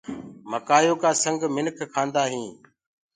مڪآئيو ڪآ سنگ منک کآندآ هينٚ۔